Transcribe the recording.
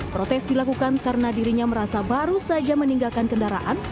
protes dilakukan karena dirinya merasa baru saja meninggalkan kendaraan